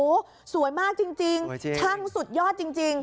โอ้โหสวยมากจริงช่างสุดยอดจริง